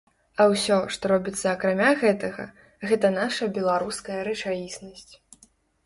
А ўсё, што робіцца акрамя гэтага, гэта наша беларуская рэчаіснасць.